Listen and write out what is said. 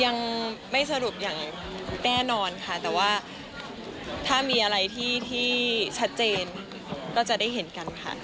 ยังไม่สรุปอย่างแน่นอนค่ะแต่ว่าถ้ามีอะไรที่ชัดเจนก็จะได้เห็นกันค่ะ